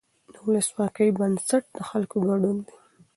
د ولسواکۍ بنسټ د خلکو ګډون دی